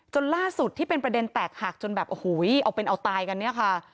ล่าสุดที่เป็นประเด็นแตกหักจนแบบโอ้โหเอาเป็นเอาตายกันเนี่ยค่ะ